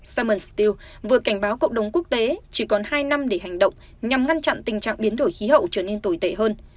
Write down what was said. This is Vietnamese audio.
samen steel vừa cảnh báo cộng đồng quốc tế chỉ còn hai năm để hành động nhằm ngăn chặn tình trạng biến đổi khí hậu trở nên tồi tệ hơn